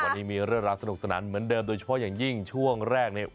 วันนี้มีเรื่องราวสนุกสนานเหมือนเดิมโดยเฉพาะอย่างยิ่งช่วงแรกเนี่ย